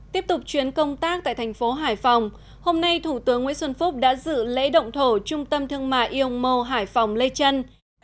tiếp tục chuyến công tác tại thành phố hải phòng hôm nay thủ tướng nguyễn xuân phúc đã dự lễ động thổ trung tâm thương mại iomo hải phòng lê trân